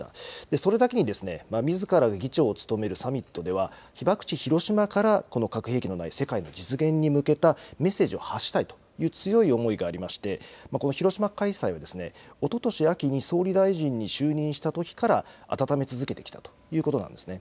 それだけに、みずからが議長を務めるサミットでは、被爆地、広島からこの核兵器のない世界の実現に向けたメッセージを発したいという強い思いがありまして、この広島開催はおととし秋に総理大臣に就任したときからあたため続けてきたということなんですね。